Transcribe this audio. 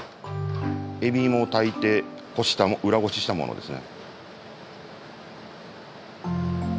エビイモを炊いてこした裏ごししたものですね。